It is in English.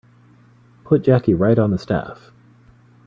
Put Jackie right on the staff.